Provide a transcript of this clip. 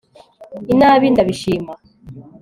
inabi, ndabishima